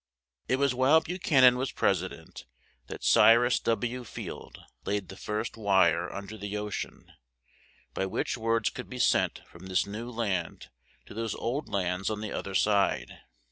It was while Bu chan an was pres i dent that Cy rus W. Field laid the first wire un der the O cean, by which words could be sent from this new land to those old lands on the oth er side.